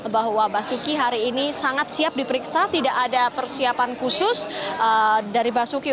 bahwa basuki hari ini sangat siap diperiksa tidak ada persiapan khusus dari basuki